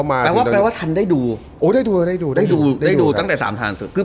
แปลว่าทานได้ดูโอ๊ได้ดูตั้งแต่นักฟูฮ่านิถาศูนย์๓ทางเสือ